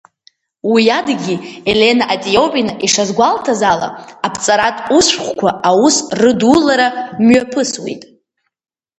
Уи адагьы, Елена Атиопина ишазгәалҭаз ала, аԥҵаратә усшәҟәқәа аус рыдулара мҩаԥысуеит.